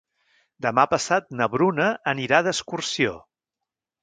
Demà passat na Bruna anirà d'excursió.